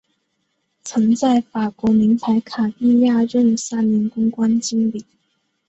曾在法国名牌卡地亚任三年公关经理。